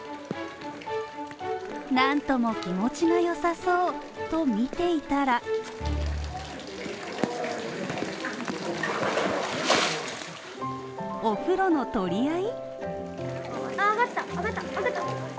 なんとも気持ちの良さそうっと見ていたらお風呂のの取り合い